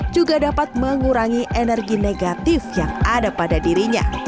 juga dapat mengurangi energi negatif yang ada pada dirinya